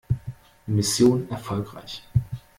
Mission erfolgreich!